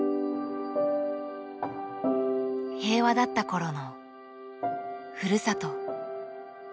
平和だった頃のふるさと。